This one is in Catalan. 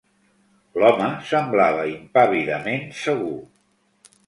L'home semblava impàvidament segur.